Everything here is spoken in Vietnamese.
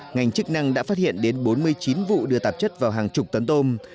ngành chức năng đã phát hiện đến bốn mươi chín vụ đưa tạp chất vào hàng chục tấn tôm